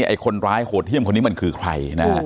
ไอ้คนร้ายโหดเยี่ยมคนนี้มันคือใครนะฮะ